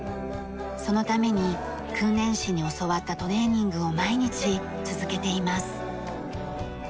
そのために訓練士に教わったトレーニングを毎日続けています。